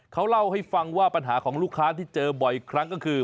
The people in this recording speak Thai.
เขาเล่าให้ฟังว่าปัญหาของลูกค้าที่เจอบ่อยครั้งก็คือ